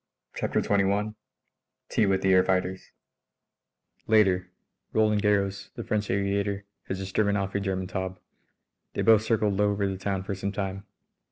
CHAPTER XXI TEA WITH THE AIR FIGHTERS Later: Roland Garros, the French aviator, has just driven off a German Taube. They both circled low over the town for some time.